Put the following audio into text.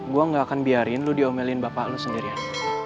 gue gak akan biarin lu diomelin bapak lo sendirian